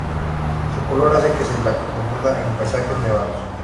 Su color hace que se la confunda en paisajes nevados.